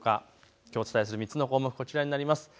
きょうお伝えする３つの項目、こちらになります。